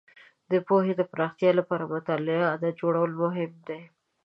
د پوهې د پراختیا لپاره د مطالعې عادت جوړول مهم دي.